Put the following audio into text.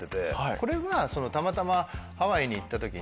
これはたまたまハワイに行った時に。